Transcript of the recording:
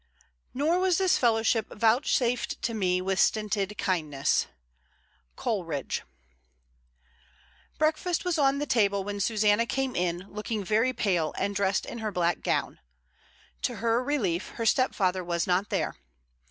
Nor was this fellowship vouchsafed to me With stinted kindness. Coleridge. Breakfast was on the table when Susanna came in, looking very pale, and dressed in her black gown. To her relief her stepfather was not there.